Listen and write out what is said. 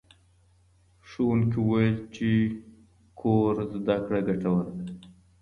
ښوونکی وویل چي کور زده کړه ګټوره ده.